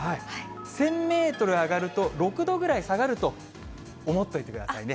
１０００メートル上がると、６度ぐらい下がると思っておいてくださいね。